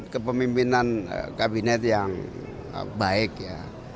kepemimpinan kabinet yang baik ya